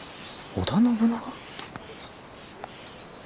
織田信長？